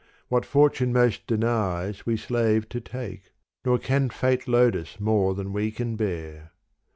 What fortune most denies we slave to take : Nor can fate load us more than we can bear.